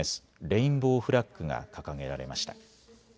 レインボーフラッグが掲げられました。